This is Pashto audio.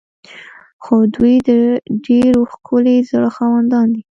خو دوی د ډیر ښکلي زړه خاوندان دي.